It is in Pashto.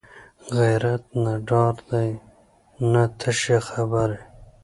غیرت نه ډار دی نه تشه خبرې